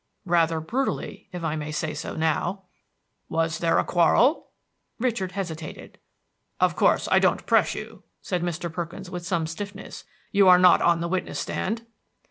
"Rather brutally, if I may say so now." "Was there a quarrel?" Richard hesitated. "Of course I don't press you," said Mr. Perkins, with some stiffness. "You are not on the witness stand."